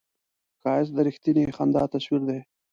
ښایست د رښتینې خندا تصویر دی